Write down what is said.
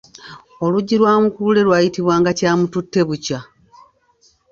Oluggi lwa mukulule lwayitibwanga Kyamututtebukya.